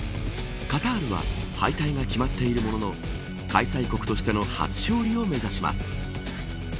カタールは敗退が決まっているものの開催国としての初勝利を目指します。